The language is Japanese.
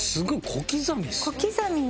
小刻みに。